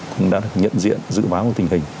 cũng đã được nhận diện dự báo của tình hình